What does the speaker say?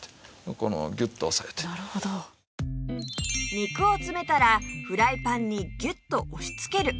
肉を詰めたらフライパンにギュッと押しつける！